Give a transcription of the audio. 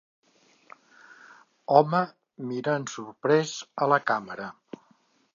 Home mirant sorprès a la càmera.